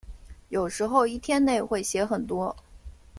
有时候一天内会写很多。